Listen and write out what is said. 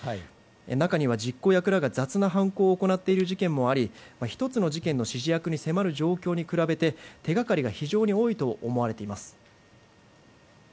中には実行役らが雑な犯行を行っている事件もあり１つの事件の指示役に迫る状況に比べて手がかりが非常に多いと思われています。